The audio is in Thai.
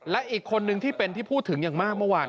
และอีกคนนึงที่เป็นที่พูดถึงอย่างมากเมื่อวาน